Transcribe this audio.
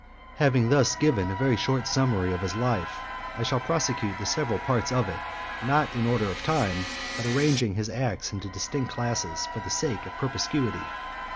IX. Having thus given a very short summary of his life, I shall prosecute the several parts of it, not in order of time, but arranging his acts into distinct classes, for the sake of (76) perspicuity.